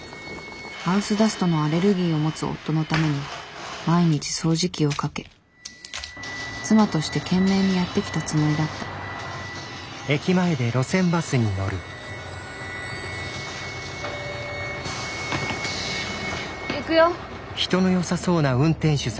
ハウスダストのアレルギーを持つ夫のために毎日掃除機をかけ妻として懸命にやってきたつもりだった行くよ。